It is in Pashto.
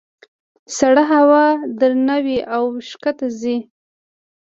سړه هوا درنه وي او ښکته ځي.